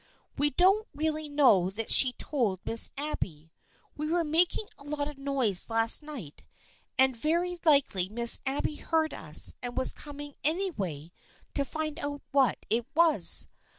We don't really know that she told Miss Abby. We were making a lot of noise last night and very likely Miss Abby heard us and was coming anyway to find out what it was.